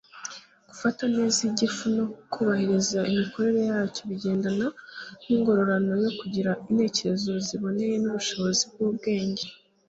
gufata neza igifu no kubahiriza imikorere yacyo bigendana n'ingororano yo kugira intekerezo ziboneye n'ubushobozi bw'ubwenge